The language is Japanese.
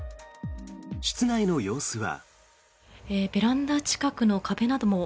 室内の様子は。